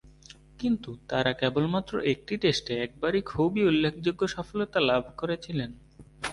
কিন্তু তারা কেবলমাত্র একটি টেস্টে একবারই খুবই উল্লেখযোগ্য সফলতা লাভ করেছিলেন।